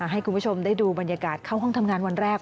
ให้คุณผู้ชมได้ดูบรรยากาศเข้าห้องทำงานวันแรก